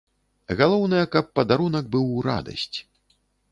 Галоўнае, каб падарунак быў у радасць.